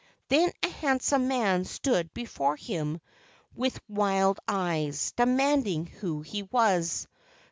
Then a handsome man stood before him with KE AU NINI 175 wild eyes, demanding who he was.